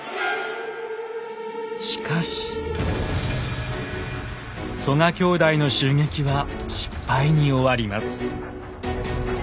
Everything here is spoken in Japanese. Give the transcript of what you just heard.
しかし曽我兄弟の襲撃は失敗に終わります。